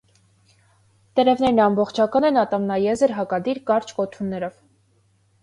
Տերևներն ամբողջական են, ատամնաեզր, հակադիր՝ կարճ կոթուններով։